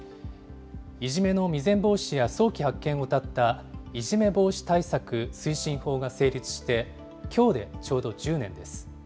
いじめの未然防止や早期発見をうたったいじめ防止対策推進法が成立して、きょうでちょうど１０年です。